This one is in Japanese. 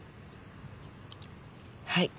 はい。